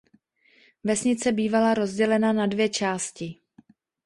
Vesnice bývala rozdělena na dvě části.